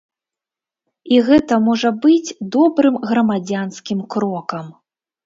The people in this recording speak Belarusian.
І гэта можа быць добрым грамадзянскім крокам.